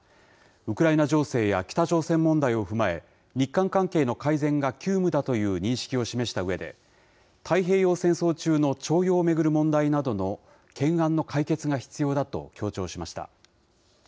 ウクライナ情勢や北朝鮮問題を踏まえ、日韓関係の改善が急務だという認識を示したうえで、太平洋戦争中の徴用を巡る問題などの懸案の解決が必要だと強調しました。